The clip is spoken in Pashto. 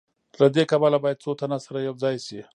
له دې کبله باید څو تنه سره یوځای شي